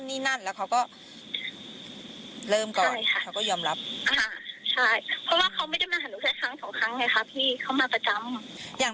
ไม่ต้องค่ะก็คืออันนี้ก็คือเป็นจักฐิษฐะเลยคือถ้าอยากคุยอะไรนะคะ